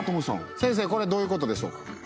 先生これどういう事でしょうか？